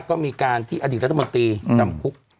ก็มีการที่อดีตรัฐมนตรีจำพุคเหมือนกัน